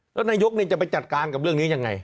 แล้วนายกจะไปจัดการกับเรื่องนี้ยังไง